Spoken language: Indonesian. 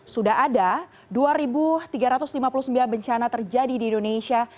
sudah ada dua tiga ratus lima puluh sembilan bencana terjadi di indonesia